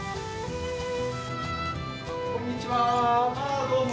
こんにちは。